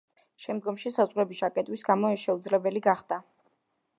შემდგომში, საზღვრების ჩაკეტვის გამო, ეს შეუძლებელი გახდა.